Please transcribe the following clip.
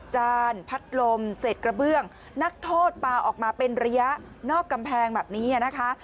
จานพัดลมเศษกระเบื้องนักโทษปลาออกมาเป็นระยะนอกกำแพงแบบนี้นะคะ